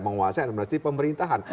menguasai energi pemerintahan